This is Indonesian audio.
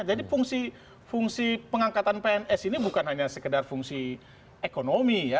fungsi pengangkatan pns ini bukan hanya sekedar fungsi ekonomi ya